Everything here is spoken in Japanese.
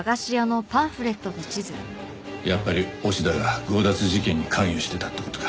やっぱり押田が強奪事件に関与してたって事か。